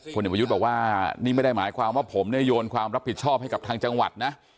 เด็กประยุทธ์บอกว่านี่ไม่ได้หมายความว่าผมเนี่ยโยนความรับผิดชอบให้กับทางจังหวัดนะ